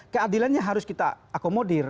keadilannya harus kita akomodir